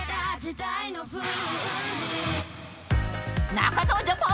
［中澤ジャパン